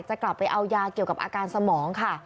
จะกลับไปเอายาเกี่ยวกับอาการสมองค่ะ